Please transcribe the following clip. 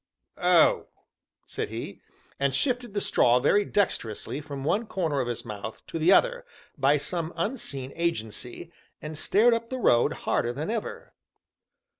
"Oh!" said he, and shifted the straw very dexterously from one corner of his mouth to the other, by some unseen agency, and stared up the road harder than ever.